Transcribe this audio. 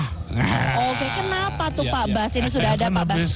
oke kenapa tuh pak bas ini sudah ada pak bas